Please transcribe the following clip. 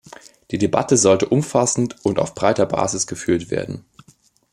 Die Debatte sollte umfassend und auf breiter Basis geführt werden.